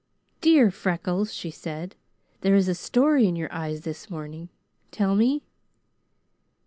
"Dear Freckles," she said, "there is a story in your eyes this morning, tell me?"